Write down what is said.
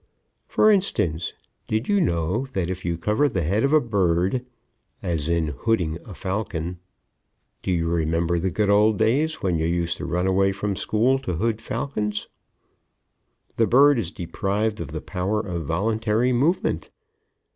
For instance, did you know that if you cover the head of a bird, "as in hooding a falcon" (do you remember the good old days when you used to run away from school to hood falcons?) the bird is deprived of the power of voluntary movement?